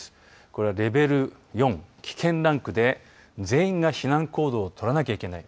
これはレベル４、危険ランクで全員が避難行動を取らなければいけない